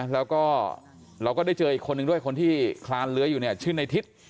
แล้วก็เราก็ได้เจออีกคนนึงด้วยคนที่คลานเลื้อยอยู่เนี่ยชื่อในทิศ